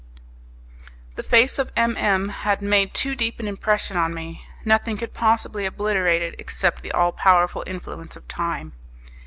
The face of M M had made too deep an impression on me; nothing could possibly obliterate it except the all powerful influence of time.